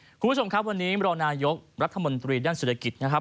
คุณผู้ชมครับวันนี้มรองนายกรัฐมนตรีด้านเศรษฐกิจนะครับ